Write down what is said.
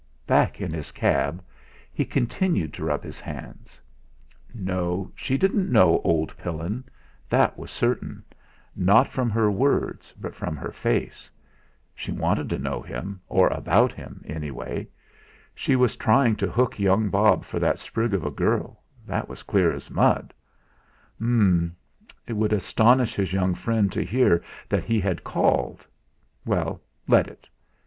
Back in his cab, he continued to rub his hands. No, she didn't know old Pillin! That was certain; not from her words, but from her face. She wanted to know him, or about him, anyway. She was trying to hook young Bob for that sprig of a girl it was clear as mud. H'm! it would astonish his young friend to hear that he had called. Well, let it!